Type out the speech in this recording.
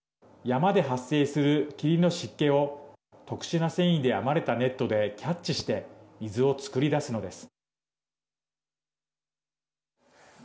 山で発生する霧の湿気を特殊な繊維で編まれたネットでキャッチして水を作り出すのです。